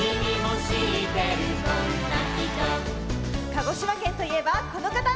鹿児島県といえばこのかた！